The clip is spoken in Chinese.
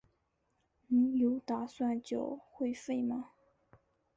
你有打算缴会费吗？